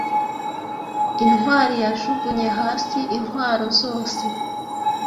Intwari yajugunye hasi intwaro zose